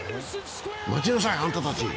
待ちなさいあんたたち！